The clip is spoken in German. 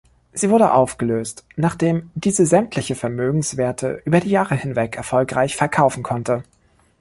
Sie wurde aufgelöst, nachdem diese sämtliche Vermögenswerte über die Jahre hinweg erfolgreich verkaufen konnte.